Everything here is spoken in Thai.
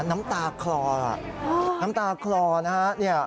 น้ำตาคลอน้ำตาคลอนะฮะ